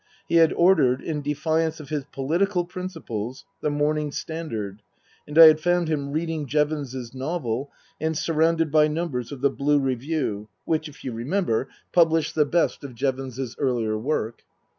He had ordered in defiance of his political principles the Morning Standard, and I had found him reading Jevons 's novel and surrounded by numbers of the Blue Review, which, if you remember, published the best of 9 * 132 Tasker Jevons Jevons's earlier work.